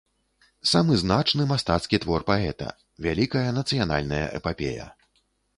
Самы значны мастацкі твор паэта, вялікая нацыянальная эпапея.